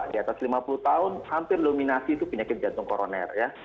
di atas lima puluh tahun hampir dominasi itu penyakit jantung koroner ya